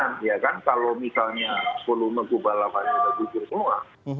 kemungkinan ya kan kalau misalnya volume gugur semua